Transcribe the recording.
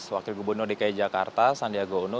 wakil gubernur dki jakarta sandiaga uno